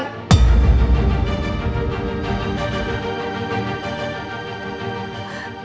kiki kamu sudah tahu